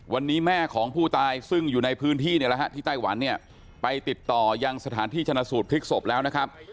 วันนี้แม่ของผู้ตายซึ่งอยู่ในพื้นที่เนี่ยแหละฮะที่ไต้หวันเนี่ยไปติดต่อยังสถานที่ชนะสูตรพลิกศพแล้วนะครับ